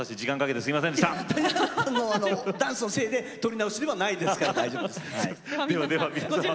ダンスのせいで撮り直しではないですからね。